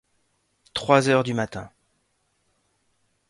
Trois heures du matin.